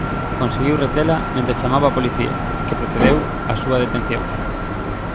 Conseguiu retela mentres chamaba á policía, que procedeu á súa detención.